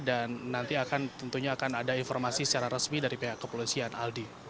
dan nanti tentunya akan ada informasi secara resmi dari pihak kepolisian aldi